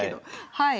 はい。